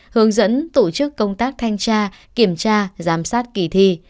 hướng dẫn tổ chức công tác thanh tra kiểm tra giám sát kỳ thi